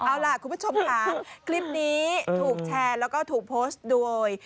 เอาล่ะคุณผู้ชมค่ะคลิปนี้ถูกแชร์แล้วก็ถูกโพสต์โดย